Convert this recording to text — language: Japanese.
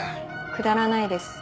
くだらないです。